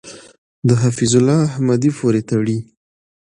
د حفیظ الله احمدی پورې تړي .